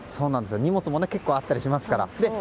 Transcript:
荷物も結構あったりしますから。